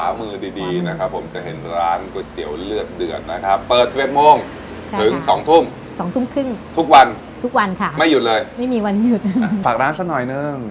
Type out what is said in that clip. ต่มมาเรื่อยค่ะฝากร้านซักหน่อยนึง